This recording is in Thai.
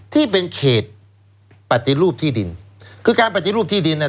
ที่เป็นเขตปฏิรูปที่ดินคือการปฏิรูปที่ดินอ่ะ